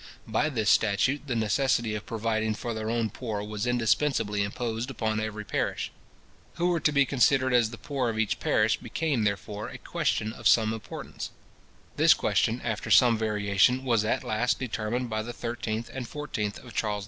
By this statute, the necessity of providing for their own poor was indispensably imposed upon every parish. Who were to be considered as the poor of each parish became, therefore, a question of some importance. This question, after some variation, was at last determined by the 13th and 14th of Charles II.